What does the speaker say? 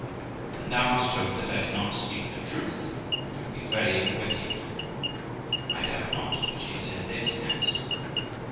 Qu. Then thou must hope that I did not speak the truth, which would be very wicked. Girl. I doubt not but she is in this house.